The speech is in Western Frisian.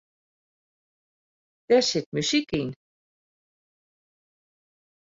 Dêr sit muzyk yn.